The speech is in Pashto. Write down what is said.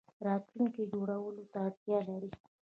راتلونکی جوړولو ته اړتیا لري